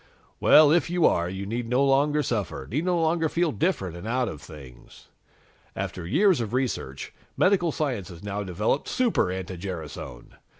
Well, if you are, you need no longer suffer, need no longer feel different and out of things. "After years of research, medical science has now developed Super anti gerasone!